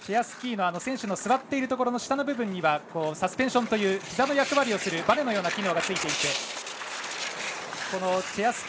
スキーの選手の座っているところの下の部分にはサスペンションというひざの役割をするばねのようなものがついていてチェア